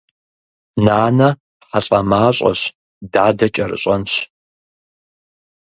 Нанэ хьэлӏамащӏэщ, дадэ кӏэрыщӏэнщ.